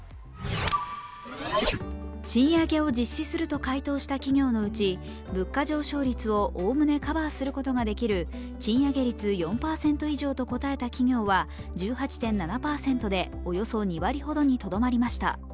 賃上げを実施すると回答した企業のうち物価上昇率をおおむねカバーすることができる、賃上げ率４％以上と答えた企業は１８．７％でおよそ２割ほどにとどまりました。